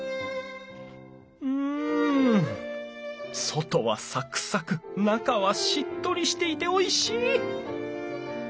外はサクサク中はしっとりしていておいしい！